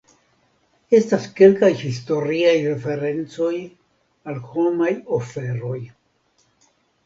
Estas kelkaj historiaj referencoj al homaj oferoj.